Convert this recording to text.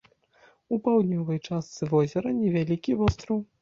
У паўднёвай частцы возера невялікі востраў.